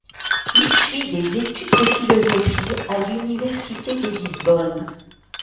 Il suit des études de philosophie à l'université de Lisbonne.